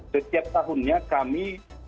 setiap tahunnya kami